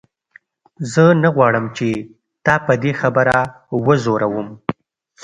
زه نه غواړم چې تا په دې خبره وځوروم.